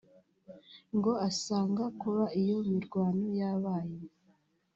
ngo asanga kuba iyo mirwano yabaye